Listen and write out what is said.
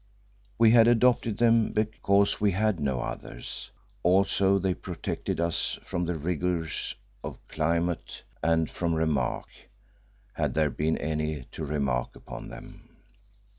We had adopted them because we had no others. Also they protected us from the rigours of the climate and from remark, had there been any to remark upon them.